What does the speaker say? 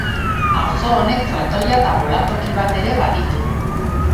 Auzo honek frontoia eta bolatoki bat ere baditu.